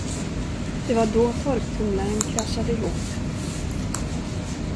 Det var då torktumlaren kraschade ihop.